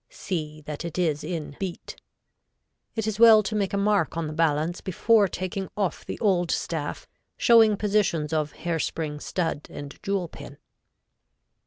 See that it is in beat. It is well to make a mark on the balance before taking off the old staff, showing positions of hair spring stud and jewel pin.